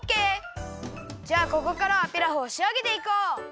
じゃあここからはピラフをしあげていこう！